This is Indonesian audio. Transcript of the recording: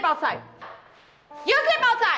kedudukanmu di luar